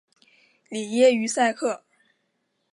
里耶于塞克。